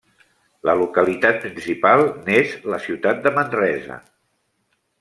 La localitat principal n'és la ciutat de Manresa.